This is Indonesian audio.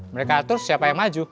mereka atur siapa yang maju